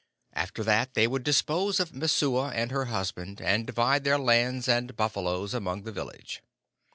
After that they would dispose of Messua and her husband, and divide their lands and buffaloes among the village.